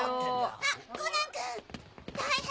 あっコナンくん！大変！